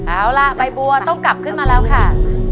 เอาล่ะใบบัวต้องกลับขึ้นมาแล้วค่ะ